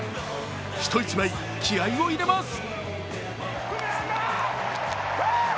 人一倍、気合いを入れます。